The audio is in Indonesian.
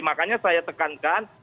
makanya saya tekankan